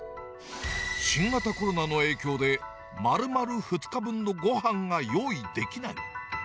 新型コロナの影響で、まるまる２日分のごはんが用意できない。